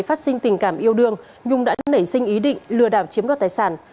phát sinh tình cảm yêu đương nhung đã nảy sinh ý định lừa đảo chiếm đoạt tài sản